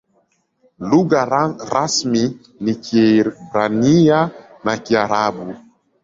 Lugha rasmi ni Kiebrania na Kiarabu.